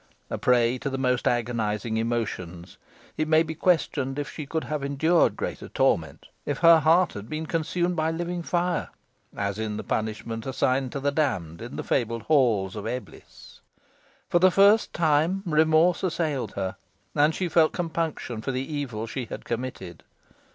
A prey to the most agonising emotions, it may be questioned if she could have endured greater torment if her heart had been consumed by living fire, as in the punishment assigned to the damned in the fabled halls of Eblis. For the first time remorse assailed her, and she felt compunction for the evil she had committed.